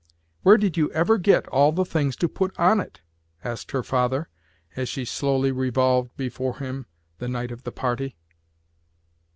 "Where did you ever get all the things to put on it?" asked her father as she slowly revolved before him the night of the party.